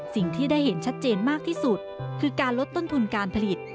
สิ่งที่ได้เห็นชัดเจนมากที่สุดคือการลดต้นทุนการผลิต